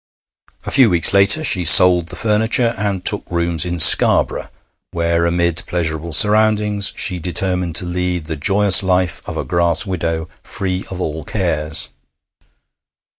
A few weeks later she sold the furniture and took rooms in Scarborough, where, amid pleasurable surroundings, she determined to lead the joyous life of a grass widow, free of all cares.